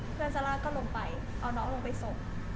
ซาร่าก็ลงไปเอาน้องลงไปส่ง